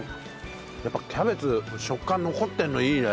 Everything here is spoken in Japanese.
やっぱりキャベツ食感残ってるのいいね。